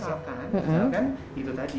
asalkan asalkan itu tadi